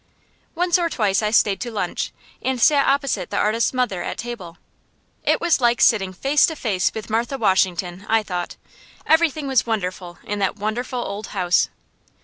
Once or twice I stayed to lunch, and sat opposite the artist's mother at table. It was like sitting face to face with Martha Washington, I thought. Everything was wonderful in that wonderful old house.